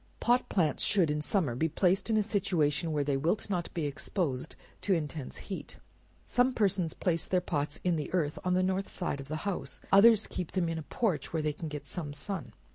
Pot plants should in summer be placed in a situation where they wilt not be exposed to intense heat. Some persons place their pots in the earth on the north side of the house; others keep them in a porch where they can get some sun.